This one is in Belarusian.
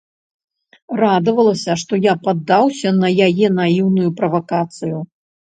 Радавалася, што я паддаўся на яе наіўную правакацыю.